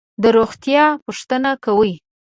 د روغتیا پوښتنه کوي.